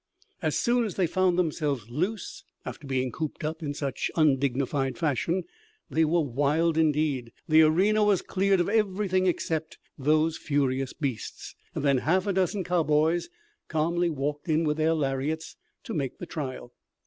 As soon as they found themselves loose after being cooped up in such undignified fashion, they were wild indeed. The arena was cleared of everything except those furious beasts, and then half a dozen cowboys calmly walked in with their lariats to make the trial.